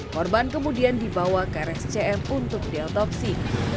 korban kemudian dibawa ke rscm untuk diotopsi